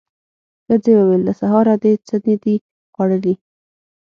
ښځې وويل: له سهاره دې څه نه دي خوړلي.